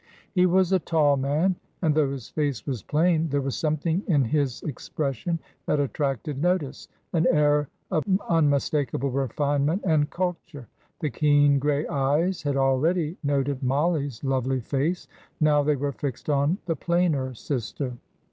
He was a tall man, and though his face was plain, there was something in his expression that attracted notice, an air of unmistakable refinement and culture. The keen grey eyes had already noted Mollie's lovely face; now they were fixed on the plainer sister.